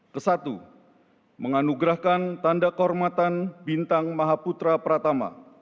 kesatu menganugerahkan tanda kehormatan bintang mahaputra pratama